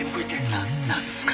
なんなんすか？